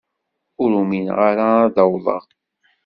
Ur umineɣ ara ad d-awḍeɣ.